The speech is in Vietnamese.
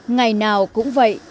ngày nào cũng vậy